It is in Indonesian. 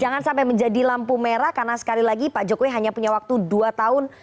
jangan sampai menjadi lampu merah karena sekali lagi pak jokowi hanya punya waktu dua tahun